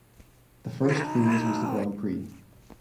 The first phase was the Grand Prix.